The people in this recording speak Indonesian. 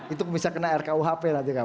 itu bisa kena rkuhp